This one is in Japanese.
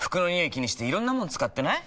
気にしていろんなもの使ってない？